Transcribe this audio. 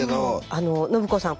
あの信子さん